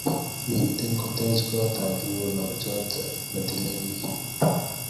Miten koteche kootab nguno choto neinyoi biik